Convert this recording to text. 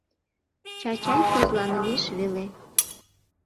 Чачай тӱзланымеш веле.